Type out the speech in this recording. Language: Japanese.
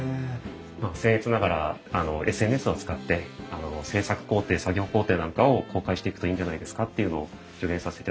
まあせん越ながらＳＮＳを使って制作工程作業工程なんかを公開していくといいんじゃないですかっていうのを助言させていただきました。